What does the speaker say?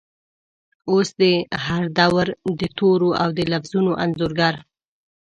اوس د هردور دتورو ،اودلفظونو انځورګر،